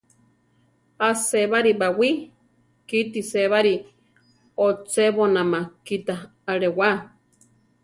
A-sébari baʼwí , kíti sébari ochébonama kíta alewá.